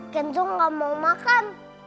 kenzo gak mau makan